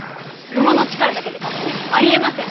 馬の力だけで勝つなんてありえません！